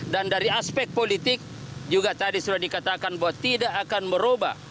dan dari aspek politik juga tadi sudah dikatakan bahwa tidak akan merubah